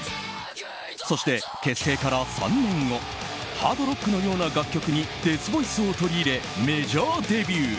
そして結成から３年後ハードロックのような楽曲にデスボイスを取り入れメジャーデビュー。